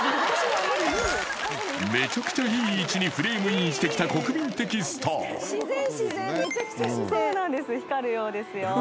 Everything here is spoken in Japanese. めちゃくちゃいい位置にフレームインしてきた国民的スターそうなんです光るようですよ